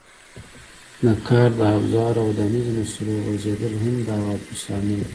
د کار د افزارو او ودانیزو مسالو غورځېدل هم د حوادثو عامل دی.